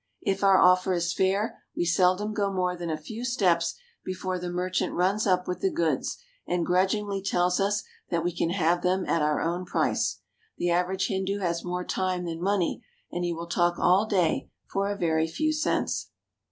If our offer is fair, we seldom go more than a few steps before the merchant runs up with the goods, and grudgingly tells us that we can have them at our own price. The average Hindu has more time than money, and he will talk all day for a very few cents.